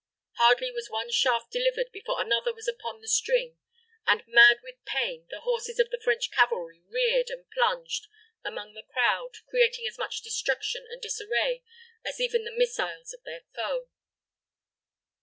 Hardly was one shaft delivered before another was upon the string, and, mad with pain, the horses of the French cavalry reared and plunged among the crowd, creating as much destruction and disarray as even the missiles of their foe.